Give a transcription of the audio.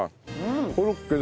コロッケだ。